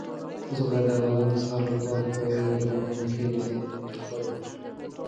تاسو باید بادام د سهار له کار پیلولو مخکې د ذهني انرژۍ لپاره وخورئ.